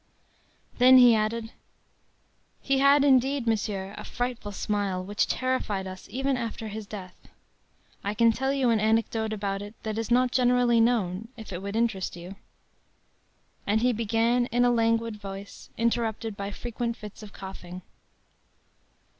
” Then he added: “He had, indeed, monsieur, a frightful smile, which terrified us even after his death. I can tell you an anecdote about it that is not generally known, if it would interest you.” And he began, in a languid voice, interrupted by frequent fits of coughing.